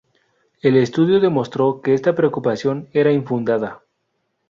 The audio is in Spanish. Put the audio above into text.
El estudio demostró que esta preocupación era infundada.